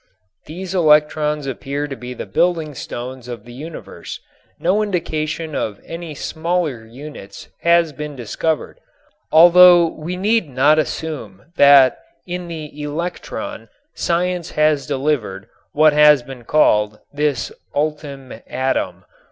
These electrons appear to be the building stones of the universe. No indication of any smaller units has been discovered, although we need not assume that in the electron science has delivered, what has been called, its "ultim atom."